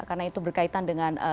karena itu berkaitan dengan satu pertama